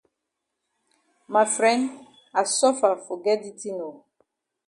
Ma fren I suffer for get di tin oo.